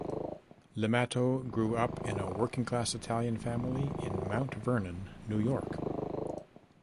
Limato grew up in a working-class Italian family in Mount Vernon, New York.